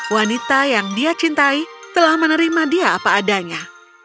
wanita yang dia cintai telah menerima dia apa adanya